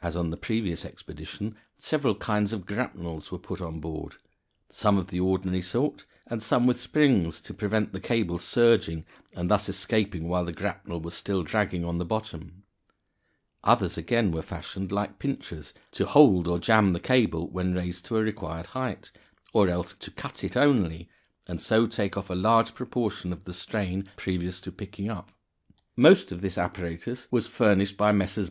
As on the previous expedition, several kinds of grapnels were put on board, some of the ordinary sort, and some with springs to prevent the cable surging, and thus escaping while the grapnel was still dragging on the bottom; others, again, were fashioned like pincers, to hold (or jam) the cable when raised to a required height, or else to cut it only, and so take off a large proportion of the strain previous to picking up. Most of this apparatus was furnished by Messrs.